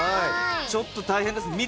ちょっと大変です。